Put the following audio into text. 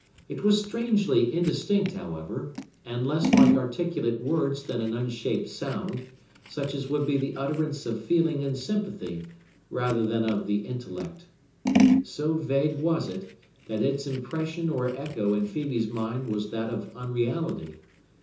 It was strangely indistinct, however, and less like articulate words than an unshaped sound, such as would be the utterance of feeling and sympathy, rather than of the intellect. So vague was it, that its impression or echo in Phœbe's mind was that of unreality.